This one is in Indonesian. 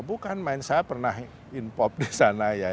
bukan main saya pernah in pop di sana ya